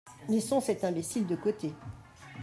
Laissons cet imbécile de côté !